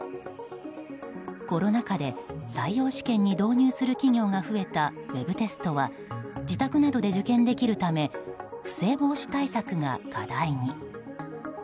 コロナ禍で採用試験に導入する企業が増えたウェブテストは自宅などで受験できるため不正防止対策が課題に。